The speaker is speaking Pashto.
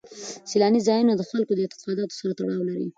سیلاني ځایونه د خلکو له اعتقاداتو سره تړاو لري.